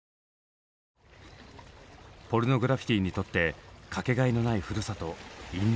ポルノグラフィティにとってかけがえのないふるさと因島。